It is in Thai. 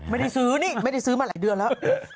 ไม่ได้ซื้อนี่ไม่ได้ซื้อมาหลายเดือนแล้ว